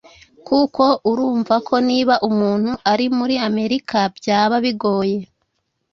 kuko urumva ko niba umuntu ari muri Amerika byaba bigoye